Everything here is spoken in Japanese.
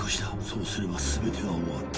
そうすれば全てが終わる。